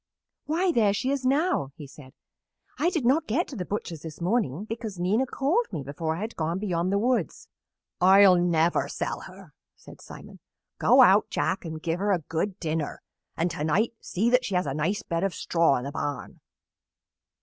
"Why, there she is now!" he said. "I did not get to the butcher's this morning because Nina called me before I had gone beyond the woods. "I'll never sell her," said Simon. "Go out, Jack, and give her a good dinner, and to night see that she has a nice bed of straw in the barn."